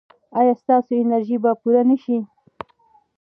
ایا ستاسو انرژي به پوره نه شي؟